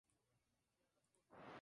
Fue fundador y primer Pte.